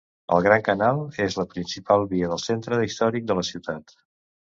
El Gran canal és la principal via del centre històric de la ciutat.